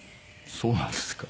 そうなんですか？